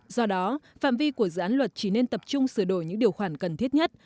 do đó phạm vi của dự án luật chỉ nên tập trung sửa đổi những điều khoản cần thiết nhất